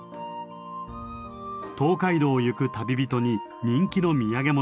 東海道を行く旅人に人気の土産物でした。